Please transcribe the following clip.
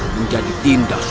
namar menjadi tindas